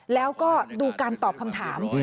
แล้วก็ดูการตอบคำถาม